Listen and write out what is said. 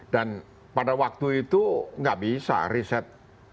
dan pada waktu itu nggak bisa riset